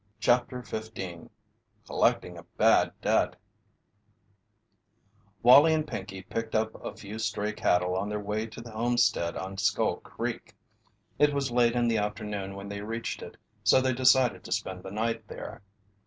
CHAPTER XV COLLECTING A BAD DEBT Wallie and Pinkey picked up a few stray cattle on their way to the homestead on Skull Creek. It was late in the afternoon when they reached it, so they decided to spend the night there.